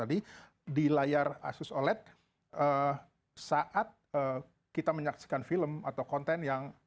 jadi di layar asus oled saat kita menyaksikan film atau konten